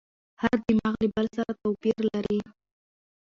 هر دماغ له بل سره توپیر لري.